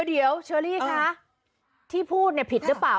เดี๋ยวเชอรี่คะที่พูดเนี่ยผิดหรือเปล่า